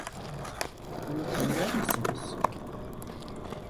Onu tanıyor musunuz?